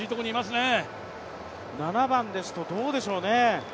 ７番ですとどうでしょうね。